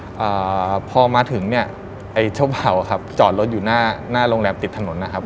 อ่าพอมาถึงเนี้ยไอ้เจ้าเบาอ่ะครับจอดรถอยู่หน้าหน้าโรงแรมติดถนนนะครับ